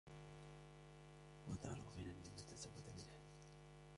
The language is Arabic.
وَدَارُ غِنًى لِمَنْ تَزَوَّدَ مِنْهَا